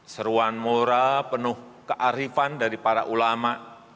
seruan moral penuh kearifan dari para ulama